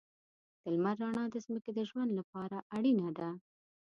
د لمر رڼا د ځمکې د ژوند لپاره اړینه ده.